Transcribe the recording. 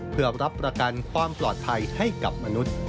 เพื่อรับประกันความปลอดภัยให้กับมนุษย์